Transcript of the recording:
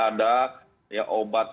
sehingga kita bisa melakukan obat yang efektif